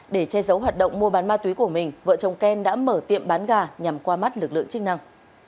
để che giấu hoạt động mua bán ma túy của mình vợ chồng ken đã mở tiệm bán gà nhằm qua mắt lực lượng chức năng